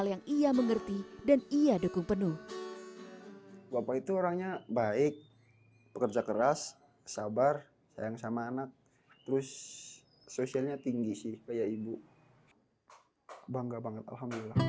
bangga banget alhamdulillah